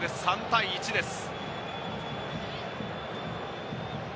３対１です。